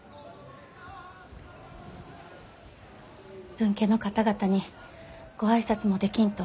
分家の方々にご挨拶もできんと。